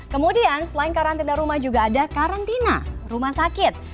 kemudian selain karantina rumah juga ada karantina rumah sakit